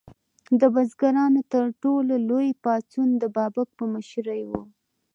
د بزګرانو تر ټولو لوی پاڅون د بابک په مشرۍ و.